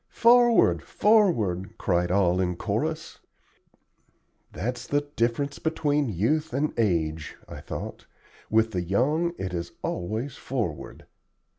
"Forward! forward!" cried all in chorus. "That's the difference between youth and age," I thought. "With the young it is always 'forward.'"